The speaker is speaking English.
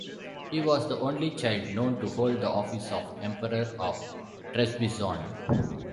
He was the only child known to hold the office of Emperor of Trebizond.